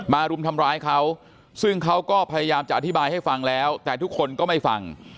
รุมทำร้ายเขาซึ่งเขาก็พยายามจะอธิบายให้ฟังแล้วแต่ทุกคนก็ไม่ฟัง